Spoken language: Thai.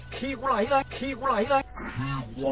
คีย์ไหวละคีย์ไหวละคีย์ไหวละ